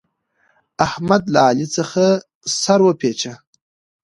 احمد له علي څخه سر وپېچه.